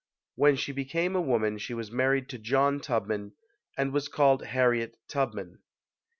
When she became a woman she was married to John Tubman and was called Harriet Tubman.